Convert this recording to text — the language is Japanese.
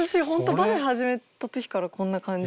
バレエ始めた時からこんな感じに足が。